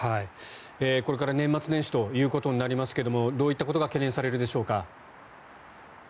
これから年末年始ということになりますがどういったことが懸念されるでしょうか。